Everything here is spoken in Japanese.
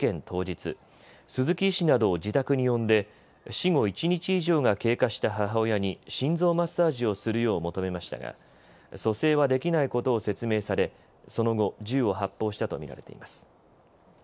当日鈴木医師などを自宅に呼んで死後１日以上が経過した母親に心臓マッサージをするよう求めましたが蘇生はできないことを説明されその後、銃を発砲したと見られています。